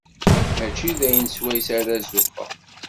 Mačči d ayen swayes ara zuxxeɣ.